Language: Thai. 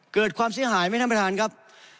เกิดความที่สิ้นหายท่านประธานครับ